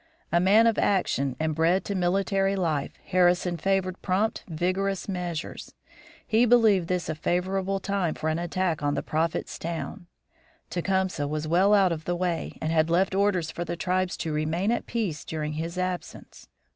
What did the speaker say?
A man of action, and bred to military life, Harrison favored prompt, vigorous measures. He believed this a favorable time for an attack on the Prophet's town. Tecumseh was well out of the way, and had left orders for the tribes to remain at peace during his absence.